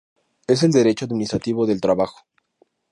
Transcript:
Es el derecho administrativo del trabajo.